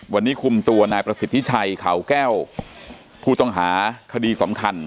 วันนี้คุมตัวนายประสิทธิชัยเขาแก้วผู้ต้องหาคดีสำคัญ